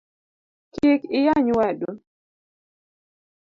Kik iyany wadu